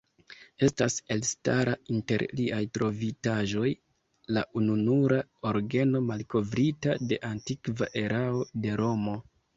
Estas elstara inter liaj trovitaĵoj la ununura orgeno malkovrita de antikva erao de Romo.